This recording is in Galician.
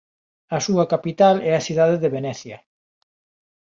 A súa capital é a cidade de Venecia.